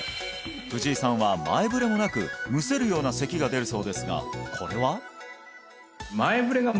藤井さんは前触れもなくむせるような咳が出るそうですがこれは？